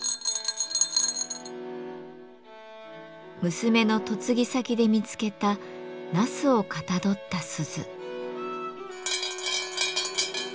娘の嫁ぎ先で見つけた茄子をかたどった鈴。